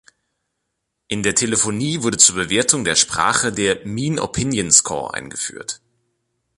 In der Telefonie wurde zur Bewertung der Sprache der Mean Opinion Score eingeführt.